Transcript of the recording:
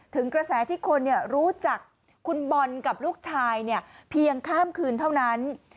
ถึงกระแสที่คนรู้จักคุณบอลกับลูกชายเพียงข้ามคืนเท่านั้น